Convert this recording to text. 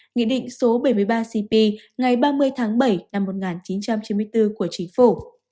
nghị định số bảy mươi ba cp ngày ba mươi tháng bảy năm một nghìn chín trăm chín mươi bốn của chính phủ